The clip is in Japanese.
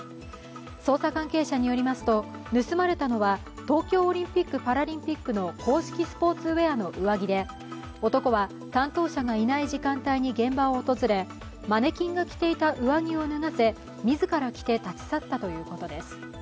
捜査関係者によりますと東京オリンピック・パラリンピックの公式スポーツウエアの上着で男は担当者がいない時間帯に現場を訪れマネキンが着ていた上着を脱がせ自ら着て立ち去ったということです。